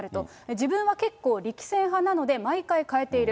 自分は結構、力戦派なので毎回変えている。